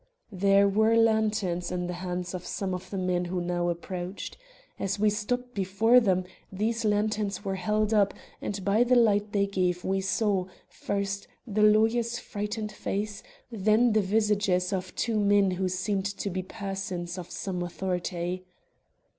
There were lanterns in the hands of some of the men who now approached. As we stopped before them, these lanterns were held up, and by the light they gave we saw, first, the lawyer's frightened face, then the visages of two men who seemed to be persons of some authority.